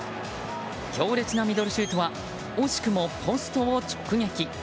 強烈なミドルシュートは惜しくもポストを直撃。